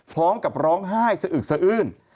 พร้อมกับร้องไห้สะอึกสะอื้น